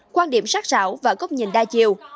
quan điểm sát rảo và góc nhìn đa chiều